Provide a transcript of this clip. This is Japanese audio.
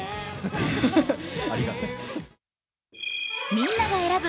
みんなが選ぶ